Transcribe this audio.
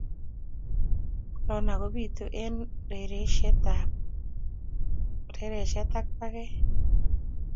korona kobitu eng rereshiet ak paket